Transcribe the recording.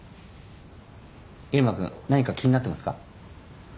入間君何か気になってますか？